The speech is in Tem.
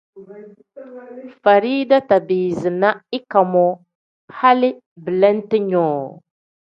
Farida tabiizi na ika moo hali belente nyoo.